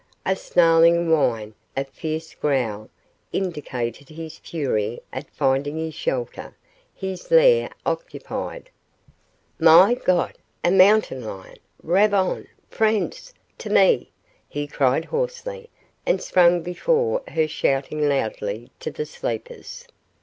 A snarling whine, a fierce growl, indicated his fury at finding his shelter his lair occupied. "My God! A mountain lion! Ravone! Franz! To me!" he cried hoarsely, and sprang before her shouting loudly to the sleepers.